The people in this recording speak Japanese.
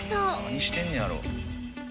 何してんねやろ。